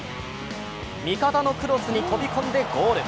味方のクロスに飛び込んでゴール。